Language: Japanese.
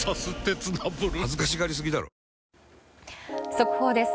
速報です。